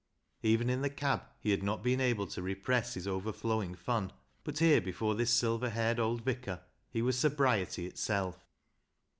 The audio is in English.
Even in the cab he had not been able to repress his overflowing fun, but here before this silver haired old vicar he was sobriety itself.